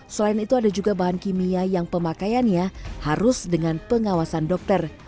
selain itu ada juga bahan kimia yang pemakaiannya harus dengan pengawasan dokter